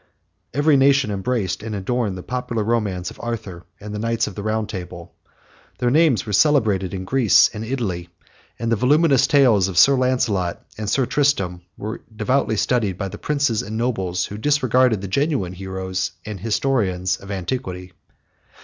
Every nation embraced and adorned the popular romance of Arthur, and the Knights of the Round Table: their names were celebrated in Greece and Italy; and the voluminous tales of Sir Lancelot and Sir Tristram were devoutly studied by the princes and nobles, who disregarded the genuine heroes and historians of antiquity.